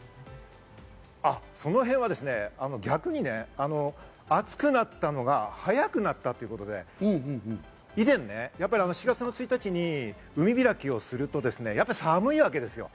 そのへんは逆にね、暑くなったのが早くなったということで、以前、７月の１日に海開きをすると、寒いわけですよ。